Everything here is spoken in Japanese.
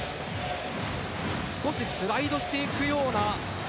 少しスライドしていくような。